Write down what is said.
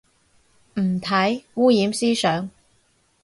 唔睇，污染思想